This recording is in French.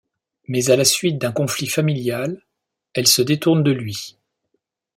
Mais à la suite d'un conflit familial, elle se détourne de lui.